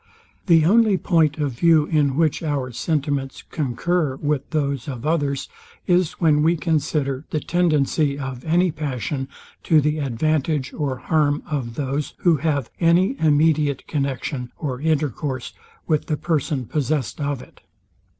The only point of view, in which our sentiments concur with those of others, is, when we consider the tendency of any passion to the advantage or harm of those, who have any immediate connexion or intercourse with the person possessed of it.